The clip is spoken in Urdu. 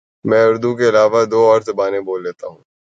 میں اردو کے علاوہ دو اور زبانیں بول لیتا ہوں